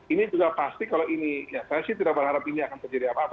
ini juga pasti kalau ini ya saya sih tidak berharap ini akan terjadi apa apa